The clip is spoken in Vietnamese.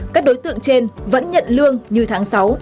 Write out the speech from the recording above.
các đối tượng trên vẫn nhận lương như tháng sáu